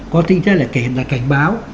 có tin chất là cảnh báo